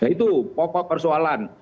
itu pokok persoalan